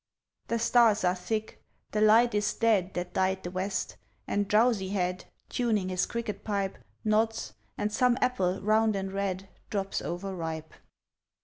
The stars are thick: the light is dead That dyed the West: and Drowsyhead, Tuning his cricket pipe, Nods, and some apple, round and red, Drops over ripe.